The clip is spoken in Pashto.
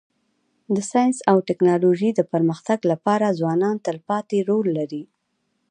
د ساینس او ټکنالوژی د پرمختګ لپاره ځوانان تلپاتي رول لري.